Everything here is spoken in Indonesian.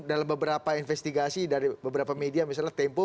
dalam beberapa investigasi dari beberapa media misalnya tempo